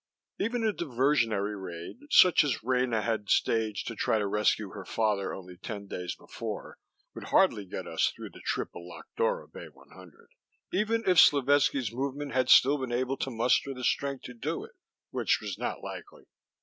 Even a diversionary raid such as Rena had staged to try to rescue her father only ten days before! would hardly get us in through the triple locked door of Bay 100. Even if Slovetski's movement had still been able to muster the strength to do it, which was not likely.